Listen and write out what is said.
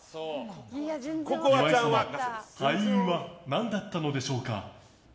岩井様敗因は何だったのでしょうか。